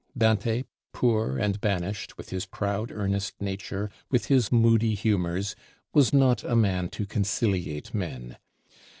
Dante, poor and banished, with his proud earnest nature, with his moody humors, was not a man to conciliate men.